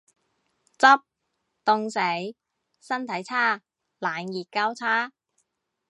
執，凍死。身體差。冷熱交叉